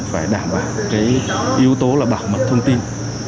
phải đảm bảo cái yếu tố là bảo mật thông tin